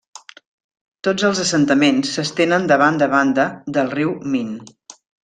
Tots els assentaments s'estenen de banda a banda del riu Min.